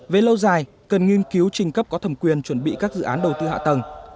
về lâu dài cần nghiên cứu trình cấp có thẩm quyền chuẩn bị các dự án đầu tư hạ tầng